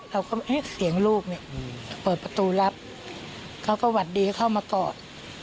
เราก็เสียงลูกเนี่ยเปิดประตูรับเขาก็หวัดดีเข้ามากอด